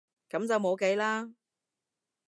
噉就冇計啦